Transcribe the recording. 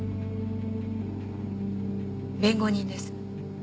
弁護人です。